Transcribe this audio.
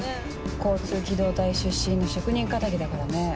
交通機動隊出身の職人かたぎだからね。